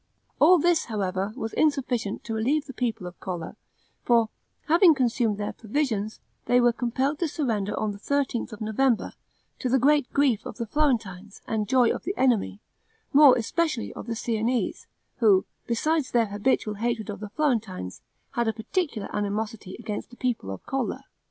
All this, however, was insufficient to relieve the people of Colle; for, having consumed their provisions, they were compelled to surrender on the thirteenth of November, to the great grief of the Florentines, and joy of the enemy, more especially of the Siennese, who, besides their habitual hatred of the Florentines, had a particular animosity against the people of Colle.